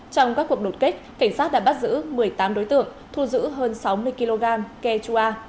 trong các cuộc đột kích cảnh sát đã bắt giữ một mươi tám đối tượng thu giữ hơn sáu mươi kg ke chua